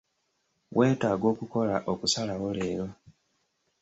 Weetaaga okukola okusalawo leero.